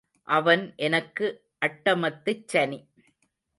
அவன் எனக்கு அட்டமத்துச் சனி.